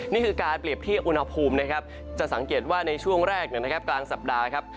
นี่คือการเปรียบที่อุณหภูมินะครับจะสังเกตว่าในช่วงแรกกลางสัปดาห์ครับ